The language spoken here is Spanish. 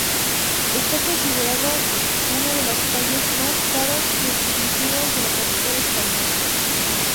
Está considerada una de las calles más caras y exclusivas de la capital española.